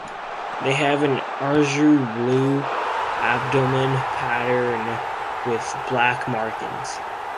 They have an azure blue abdomen patterned with black markings.